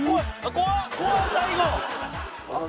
怖っ！